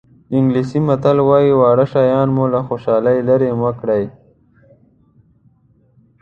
انګلیسي متل وایي واړه شیان مو له خوشحالۍ لرې مه کړي.